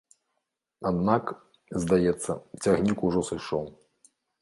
Аднак, здаецца, цягнік ужо сышоў.